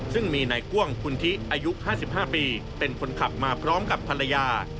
ซึ่งมีนายก้วงคุณทิอายุ๕๕ปีเป็นคนขับมาพร้อมกับภรรยา